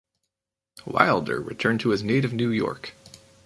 Wilder returned to his native New York.